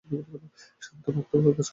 শান্ত ও মুক্তভাবে কাজ করিয়া যাও।